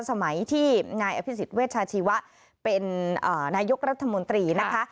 สมัยที่นายอภิษฎเวชาชีวะเป็นนายกรัฐมนตรีนะคะ